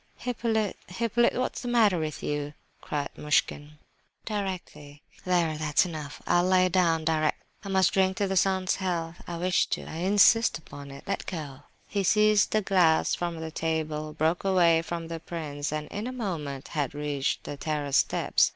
"Hippolyte, Hippolyte, what is the matter with you?" cried Muishkin. "Directly! There, that's enough. I'll lie down directly. I must drink to the sun's health. I wish to—I insist upon it! Let go!" He seized a glass from the table, broke away from the prince, and in a moment had reached the terrace steps.